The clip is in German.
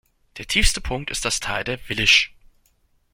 Der tiefste Punkt ist das Tal der Wilisch.